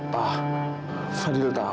pa fadil tau